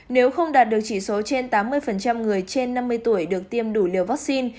nếu không đạt được chỉ số trên tám mươi người trên năm mươi tuổi được tiêm đủ liều vaccine